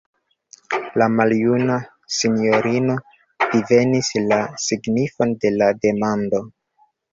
La maljuna sinjorino divenis la signifon de la demando.